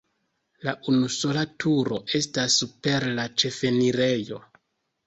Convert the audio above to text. La unusola turo estas super la ĉefenirejo.